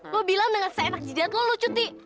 lo bilang dengan seenak jidat lo lo cuti